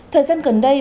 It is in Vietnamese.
thời gian gần đây